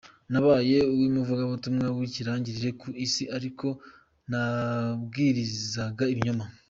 Nabaye iumuvugabutumwa w’ikirangirire ku isi ariko nabwirizaga ibinyoma.